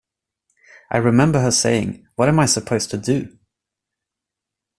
I remember her saying What am I supposed to do?